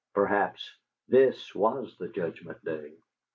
Perhaps THIS was the Judgment day.